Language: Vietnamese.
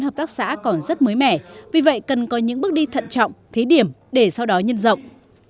hợp tác xã còn rất mới mẻ vì vậy cần có những bước đi thận trọng thí điểm để sau đó nhân rộng